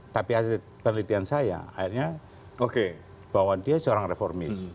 tapi hasil penelitian saya akhirnya bahwa dia seorang reformis